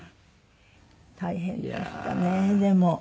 大変でしたねでも。